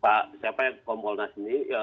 pak siapa yang komponasi ini